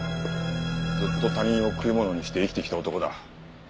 ずっと他人を食い物にして生きてきた男だ。